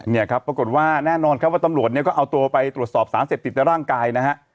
เนี่ยครับปรากฏว่าแน่นอนครับว่าตำรวจเนี่ยก็เอาตัวไปตรวจสอบสารเสพติดในร่างกายนะฮะ